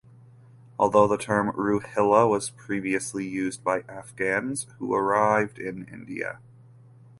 Although the term "rohilla" was previously used by Afghans who arrived in India.